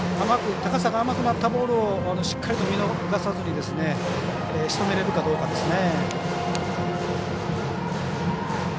高さが甘くなったボールをしっかりと見逃さずにしとめられるかどうかですね。